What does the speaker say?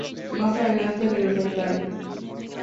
Más adelante regresó a Italia.